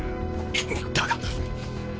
だが。